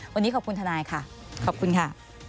วันนี้ขอบคุณทนายค่ะขอบคุณค่ะ